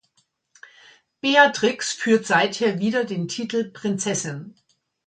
Beatrix führt seither wieder den Titel "Prinzessin".